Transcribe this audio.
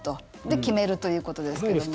で、決めるということですけど。